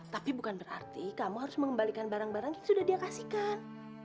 tapi bukan berarti kamu harus mengembalikan barang barang yang sudah dia kasihkan